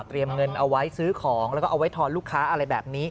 เงินเอาไว้ซื้อของแล้วก็เอาไว้ทอนลูกค้าอะไรแบบนี้